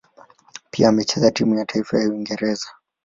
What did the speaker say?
Pia amecheza kwenye timu ya taifa ya Uingereza.